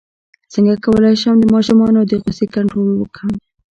څنګه کولی شم د ماشومانو د غوسې کنټرول وکړم